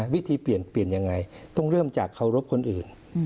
วิธีเปลี่ยนเปลี่ยนยังไงต้องเริ่มจากเคารพคนอื่น